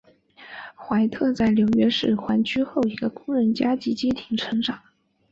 怀特在纽约市皇后区一个工人阶级家庭成长。